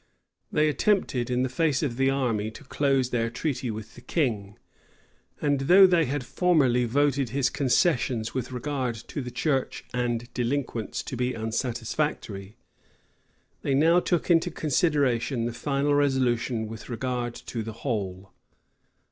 They attempted, in the face of the army, to close their treaty with the king; and, though they had formerly voted his concessions with regard to the church and delinquents to be unsatisfactory, they now took into consideration the final resolution with regard to the whole.